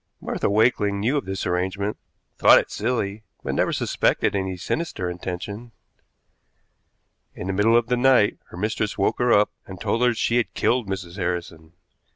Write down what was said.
Martha Wakeling knew of this arrangement, thought it silly, but never suspected any sinister intention. In the middle of the night her mistress woke her up, and told her that she had killed Mrs. Harrison.